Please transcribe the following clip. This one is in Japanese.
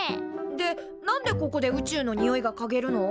で何でここで宇宙のにおいがかげるの？